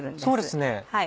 そうですね。